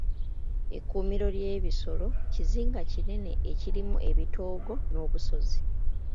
Ekkuumiro ly'ebisolo kizinga kinene ekirimu ebitoogo n'obusozi.